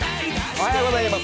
おはようございます。